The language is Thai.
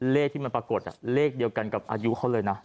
เลขที่มันปรากฏเลขเดียวกันกับอายุเขาเลยนะ